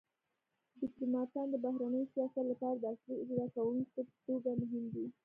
ډیپلوماتان د بهرني سیاست لپاره د اصلي اجرا کونکو په توګه مهم دي